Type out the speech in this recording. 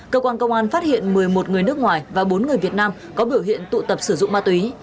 cơ quan công an phát hiện một mươi một người nước ngoài và bốn người việt nam có biểu hiện tụ tập sử dụng ma túy